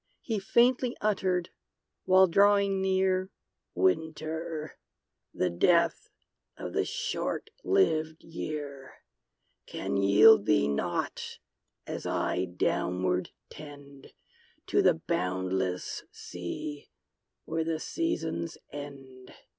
He faintly uttered, while drawing near, "Winter, the death of the short lived year, Can yield thee nought, as I downward tend To the boundless sea, where the Seasons end!